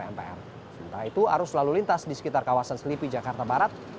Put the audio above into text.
sementara itu arus lalu lintas di sekitar kawasan selipi jakarta barat